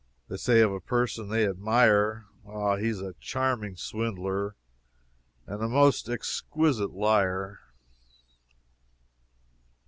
They say of a person they admire, "Ah, he is a charming swindler, and a most exquisite liar!"